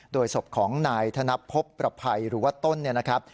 โดยศพของนายถนภพประภัยหรือว่าต้นนะครับ